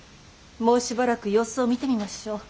もうしばらく様子を見てみましょう。